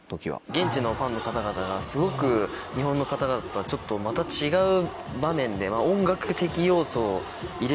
現地のファンの方々がすごく日本の方々とはちょっとまた違う場面で。